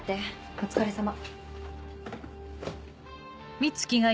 お疲れさま。